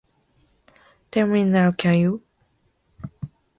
Tell me now, can you?